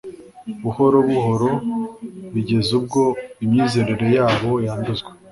buhoro buhoro bigeza ubwo imyizerere yabo yanduzwa